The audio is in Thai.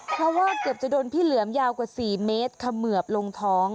เพราะว่าเกือบจะโดนพี่เหลือมยาวกว่า๔เมตรเขมือบลงท้อง